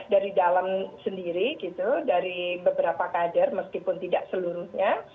dari dalam sendiri gitu dari beberapa kader meskipun tidak seluruhnya